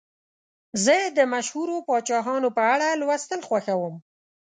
زه د مشهورو پاچاهانو په اړه لوستل خوښوم.